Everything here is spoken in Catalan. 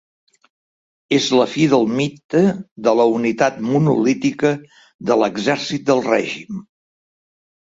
És la fi del mite de la unitat monolítica de l'exèrcit del règim.